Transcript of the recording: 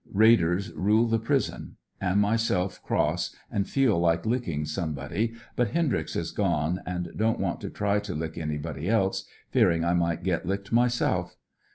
Raiders rule the prison. Am myself cross and feel like licking somebody, but Hendryx is gone and don't want to try to lick anybody else, fearing I might get licked myself.